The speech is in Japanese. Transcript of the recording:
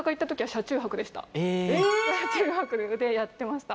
車中泊でやってました。